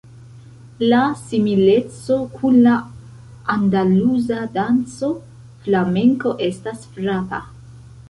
La simileco kun la andaluza danco Flamenko estas frapa.